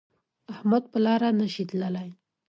احمد په لاره نشي تللی